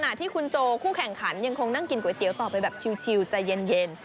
ที่คุณโจคู่แข่งขันยังคงนั่งกินก๋วยเตี๋ยวต่อไปแบบชิลใจเย็น